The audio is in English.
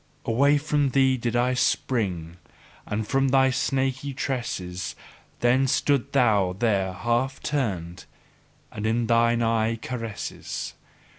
Away from thee did I spring, and from thy snaky tresses: then stoodst thou there half turned, and in thine eye caresses.